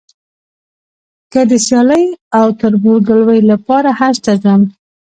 که د سیالۍ او تربورګلوۍ لپاره حج ته ځم.